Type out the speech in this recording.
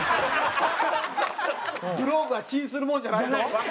グローブはチンするもんじゃないぞ。